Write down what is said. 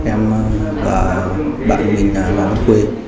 em và bạn mình là hoàng văn khuê